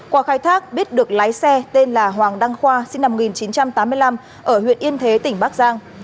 qua khai thác biết được lái xe tên là hoàng đăng khoa sinh năm một nghìn chín trăm tám mươi năm ở huyện yên thế tỉnh bắc giang